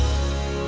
tunggu aku mau